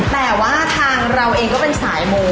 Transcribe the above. แต่ว่าทางเราเองก็เป็นสายมู